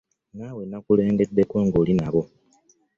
Naawe nakulengeddeko ng'oli nabo.